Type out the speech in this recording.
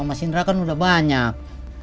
mas indra kan udah banyak